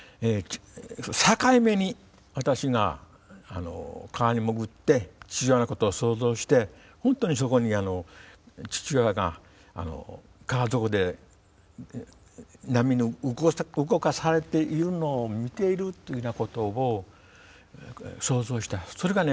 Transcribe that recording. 境目に私が川に潜って父親のことを想像して本当にそこに父親が川底で波に動かされているのを見ているというようなことを想像したらそれがね